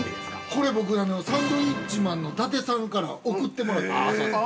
◆これ、僕サンドウィッチマンの伊達さんから送ってもらったことがあるんです。